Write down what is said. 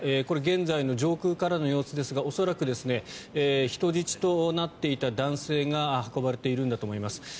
これ現在の上空からの様子ですが恐らく人質となっていた男性が運ばれているんだと思います。